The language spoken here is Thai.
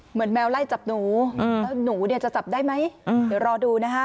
แมวไล่จับหนูแล้วหนูเนี่ยจะจับได้ไหมเดี๋ยวรอดูนะคะ